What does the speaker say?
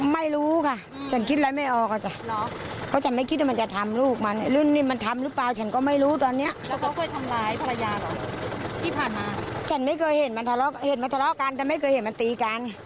เมื่อช่วงเช้านะคะ